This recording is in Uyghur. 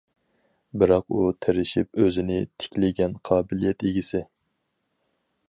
بىراق ئۇ تىرىشىپ ئۆزىنى تىكلىگەن قابىلىيەت ئىگىسى.